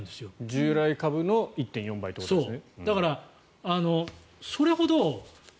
従来株の１．４倍ってことですね。